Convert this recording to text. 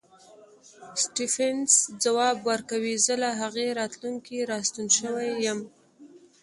سټېفنس ځواب ورکوي زه له هغې راتلونکې راستون شوی یم.